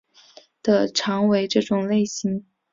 的常为这种类型。